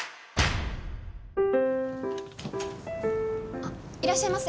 あっいらっしゃいませ。